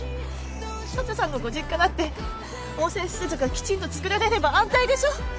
佐都さんのご実家だって温泉施設がきちんとつくられれば安泰でしょ？